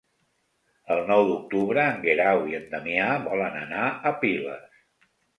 El nou d'octubre en Guerau i en Damià volen anar a Piles.